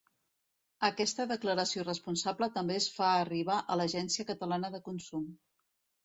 Aquesta declaració responsable també es fa arribar a l'Agència Catalana de Consum.